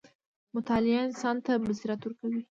• مطالعه انسان ته بصیرت ورکوي.